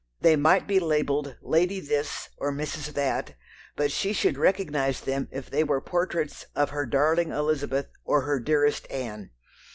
They might be labelled Lady this or Mrs. that, but she should recognize them if they were portraits of her darling Elizabeth or her dearest Anne.